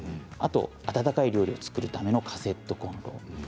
あと温かい料理を作るためのカセットコンロ。